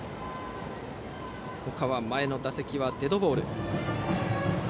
岡は前の打席デッドボール。